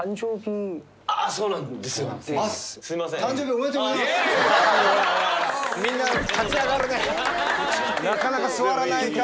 あぁ［なかなか座らない回］